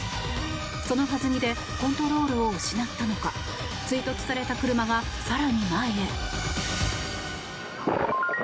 その弾みでコントロールを失ったのか追突された車が更に前へ。